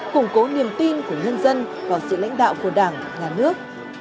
củng cố niềm tin của nhân dân vào sự lãnh đạo của đảng nhà nước